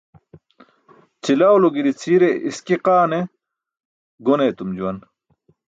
Ćilawlo giri-cʰiire iski qaa ne gon eetum juwan.